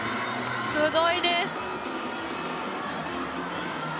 すごいです。